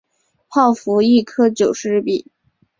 泡芙一颗九十日币